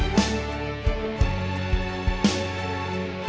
kamu bukan anak buah